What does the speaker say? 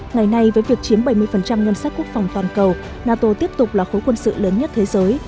ngày nay với việc chiếm bảy mươi ngân sách quốc phòng toàn cầu nato tiếp tục là khối quân sự lớn nhất thế giới